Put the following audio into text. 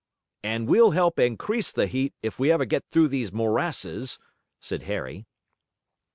"And we'll help increase the heat if we ever get through these morasses," said Harry.